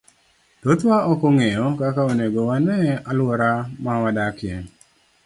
Thothwa ok ong'eyo kaka onego wane alwora ma wadakie.